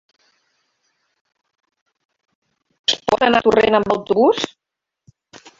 Es pot anar a Torrent amb autobús?